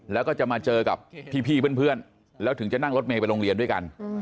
แล้วก็จะมาเจอกับพี่เพื่อนแล้วถึงจะนั่งรถเมย์ไปโรงเรียนด้วยกัน